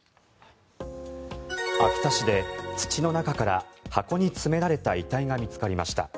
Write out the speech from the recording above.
秋田市で土の中から箱に詰められた遺体が見つかりました。